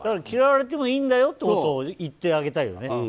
嫌われてもいいんだよということを言ってあげたいよね。